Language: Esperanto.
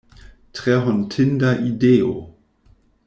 Tre hontinda ideo!